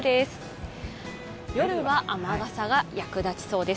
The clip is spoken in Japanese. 夜は雨傘が役立ちそうです。